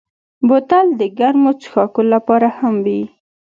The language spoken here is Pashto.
بوتل د ګرمو څښاکو لپاره هم وي.